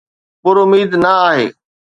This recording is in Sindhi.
پر اميد نه آهي